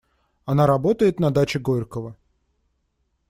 Она работает на даче Горького.